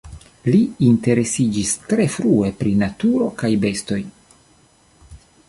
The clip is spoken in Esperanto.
Li interesiĝis tre frue pri naturo kaj bestoj.